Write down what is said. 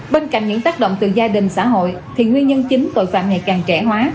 bên cạnh những tác động từ gia đình xã hội thì nguyên nhân chính tội phạm ngày càng trẻ hóa